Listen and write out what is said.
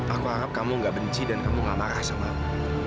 aku harap kamu gak benci dan kamu gak marah sama aku